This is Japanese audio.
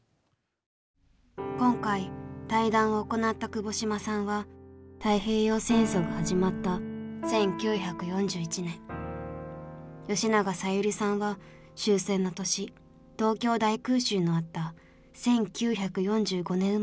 今回対談を行った窪島さんは太平洋戦争が始まった１９４１年吉永小百合さんは終戦の年東京大空襲のあった１９４５年生まれです。